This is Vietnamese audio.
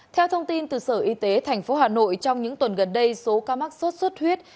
theo thông tin từ sở y tế tp hà nội trong những tuần gần đây số ca mắc sốt xuất huyết